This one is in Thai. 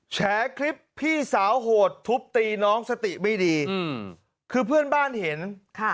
แฉคลิปพี่สาวโหดทุบตีน้องสติไม่ดีอืมคือเพื่อนบ้านเห็นค่ะ